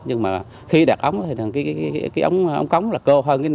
nhưng mà khi đặt ống thì cái ống ống là cơ hơn